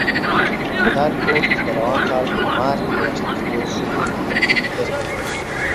دا رپوټ چې د روان کال په مارچ میاشت کې خپور شو، پکې لیدل